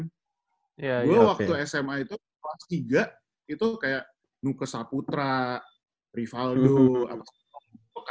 dulu waktu sma itu kelas tiga itu kayak nukesaputra rivaldo apa